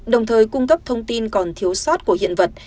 đồng thời cung cấp thông tin còn thiếu sót của hiện vật